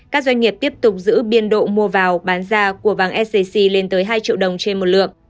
các doanh nghiệp tiếp tục giữ biên độ mua vào bán ra của vàng sgc lên tới hai triệu đồng trên một lượng